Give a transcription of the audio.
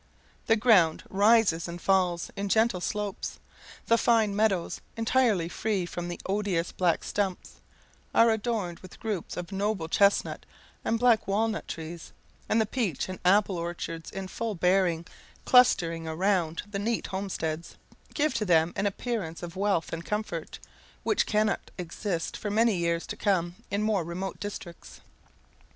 The ground rises and falls in gentle slopes; the fine meadows, entirely free from the odious black stumps, are adorned with groups of noble chestnut and black walnut trees; and the peach and apple orchards in full bearing, clustering around the neat homesteads, give to them an appearance of wealth and comfort, which cannot exist for many years to come in more remote districts.